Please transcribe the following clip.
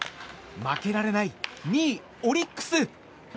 負けられない２位、オリックス。